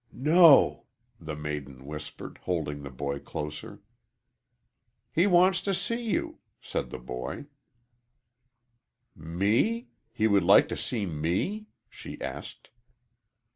"No," the maiden whispered, holding the boy closer. "He wants to see you," said the boy, "Me? he would like to see me?" she asked.